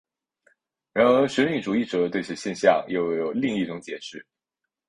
然而神秘主义者对此现象又有另一种解释。